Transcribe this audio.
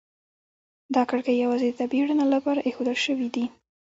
دا کړکۍ یوازې د طبیعي رڼا لپاره ایښودل شوي دي.